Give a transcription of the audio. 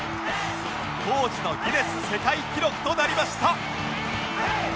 当時のギネス世界記録となりました